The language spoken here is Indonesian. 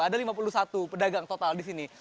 ada lima puluh satu pedagang total di sini